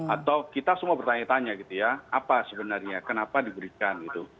atau kita semua bertanya tanya gitu ya apa sebenarnya kenapa diberikan gitu